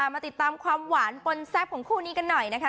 มาติดตามความหวานปนแซ่บของคู่นี้กันหน่อยนะคะ